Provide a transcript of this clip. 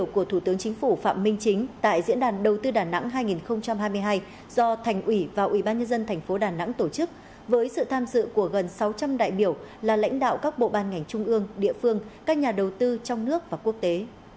chính phủ phạm minh chính tại diễn đàn đầu tư đà nẵng hai nghìn hai mươi hai do thành ủy và ủy ban nhân dân thành phố đà nẵng tổ chức với sự tham dự của gần sáu trăm linh đại biểu là lãnh đạo các bộ ban ngành trung ương địa phương các nhà đầu tư trong nước và quốc tế